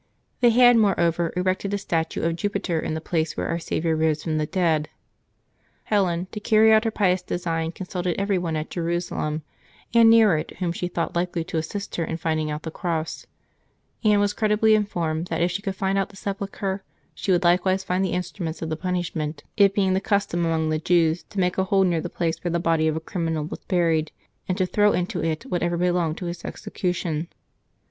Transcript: They had, moreover, erected a statue of Jupiter in the place where Our Saviour rose from the dead. Helen, to carry out her pious design, consulted every one at Jerusalem and near it whom she thought likely to assist her in finding out the cross; and was credibly informed that, if she could find out the sepulchre, she would likewise find the instruments of the punishm^ent ; it being the custom among the Jews to make a hole near the place where the body of a criminal was buried, and to throw into it whatever belonged to his execution.